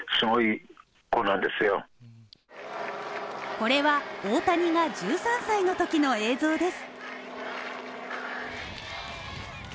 これは大谷が１３歳のときの映像です。